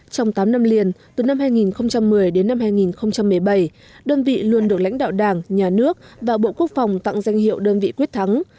trong tám năm liền từ năm hai nghìn một mươi đến năm hai nghìn một mươi bảy đơn vị luôn được lãnh đạo đảng nhà nước và bộ quốc phòng tặng danh hiệu đơn vị quyết thắng